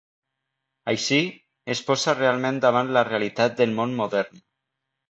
Així, es posa realment davant la realitat del món modern.